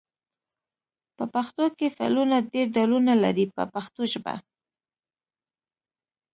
په پښتو کې فعلونه ډېر ډولونه لري په پښتو ژبه.